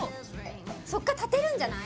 そっから立てるんじゃない？